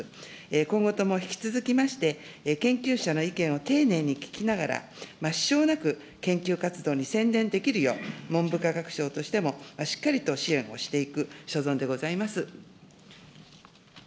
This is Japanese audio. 今後とも引き続きまして、研究者の意見を丁寧に聞きながら、支障なく研究活動に専念できるよう、文部科学省としてもしっかりと支援をしていく所存でございます。